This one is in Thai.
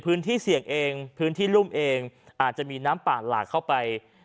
พื้นที่เสี่ยงเองพื้นที่รุ่มเองอาจจะมีน้ำป่าหลากเข้าไป